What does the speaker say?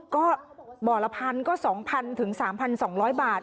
ก็บ่อละพันก็๒๐๐ถึง๓๒๐๐บาท